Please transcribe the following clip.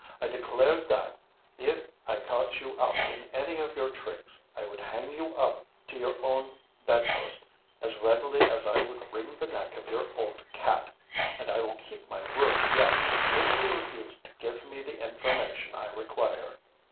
I declared that '_if I caught you out in any of your tricks, I would hang you up to your own bedpost, as readily as I would wring the neck of your old cat_.' And I will keep my word yet, if you refuse to give me the information I require."